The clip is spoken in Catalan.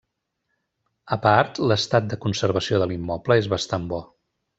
A part, l'estat de conservació de l'immoble és bastant bo.